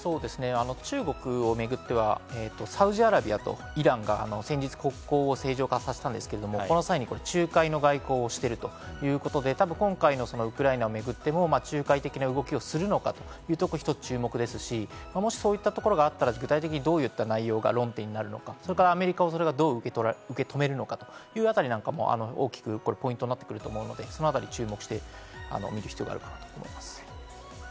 中国をめぐってはサウジアラビアとイランが先日、国交を正常化させたんですけれど、その際に仲介の外交してるということで、今回のウクライナをめぐっても仲介的な動きをするのか、そういうところが注目ですし、そういったところがあったら、具体的にどういった内容が論点になるのか、アメリカがそれをどう受け止めのかというあたりなんかも大きくポイントになってくると思うので、注目して行く必要があるかなと思います。